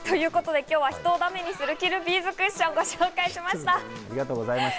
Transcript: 今日は人をダメにするビーズクッションをご紹介しました。